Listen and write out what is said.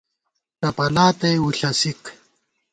ٹپَلا تئ وُݪَسِک